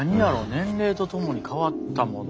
「年齢とともに変わったもの」。